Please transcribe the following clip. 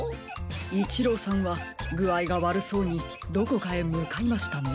イチローさんはぐあいがわるそうにどこかへむかいましたね。